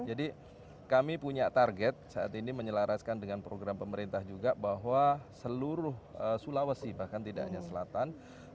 jadi kami punya target saat ini menyelaraskan dengan program pemerintah juga bahwa seluruh sulawesi bahkan tidak hanya selatan